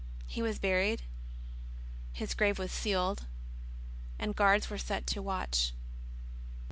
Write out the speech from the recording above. He was buri^. His grave was sealed, and guards were set to watch.